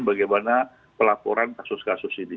bagaimana pelaporan kasus kasus ini